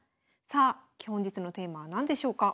さあ本日のテーマは何でしょうか。